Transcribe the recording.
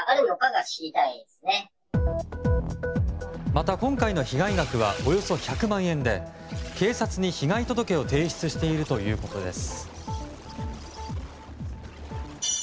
また、今回の被害額はおよそ１００万円で警察に被害届を提出しているということです。